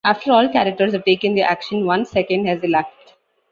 After all characters have taken their action, one second has elapsed.